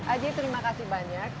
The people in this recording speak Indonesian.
aji terima kasih banyak